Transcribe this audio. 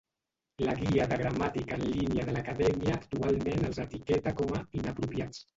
La guia de gramàtica en línia de l'Acadèmia actualment els etiqueta com a "inapropiats".